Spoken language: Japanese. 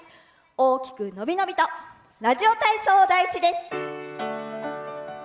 大きく伸び伸びと「ラジオ体操第１」です。